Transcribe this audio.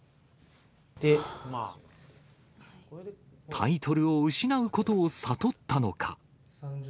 タイトルを失うことを悟ったのか。